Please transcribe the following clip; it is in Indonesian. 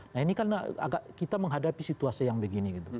nah ini karena kita menghadapi situasi yang begini